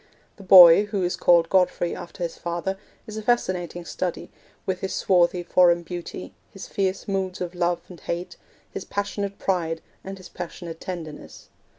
The boy, who is called Godfrey after his father, is a fascinating study, with his swarthy foreign beauty, his fierce moods of love and hate, his passionate pride, and his passionate tenderness.